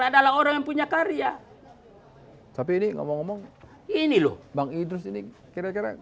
adalah orang yang punya karya tapi ini ngomong ngomong ini loh bang idrus ini kira kira